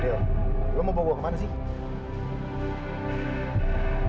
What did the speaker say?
del lo mau bawa gue kemana sih